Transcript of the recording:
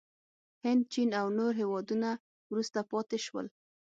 هند، چین او نور هېوادونه وروسته پاتې شول.